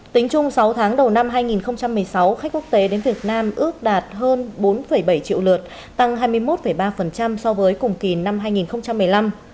tính chung sáu tháng đầu năm hai nghìn một mươi sáu khách quốc tế đến việt nam ước đạt hơn bốn bảy triệu lượt tăng hai mươi một ba so với cùng kỳ năm hai nghìn một mươi năm